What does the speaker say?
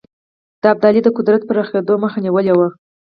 د ابدالي د قدرت پراخېدلو مخه نیولې وه.